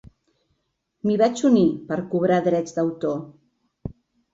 M'hi vaig unir per cobrar drets d'autor.